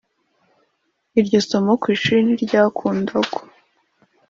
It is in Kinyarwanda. iryo somo ku ishuri ntiryakundagwa.